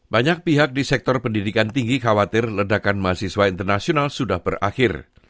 banyak pihak di sektor pendidikan tinggi khawatir ledakan mahasiswa internasional sudah berakhir